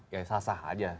ya sah sah aja